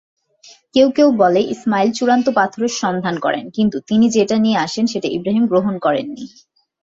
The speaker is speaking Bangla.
কেউ কেউ বলে ইসমাইল চূড়ান্ত পাথরের সন্ধান করেন, কিন্তু তিনি যেটা নিয়ে আসেন সেটা ইব্রাহিম গ্রহণ করেননি।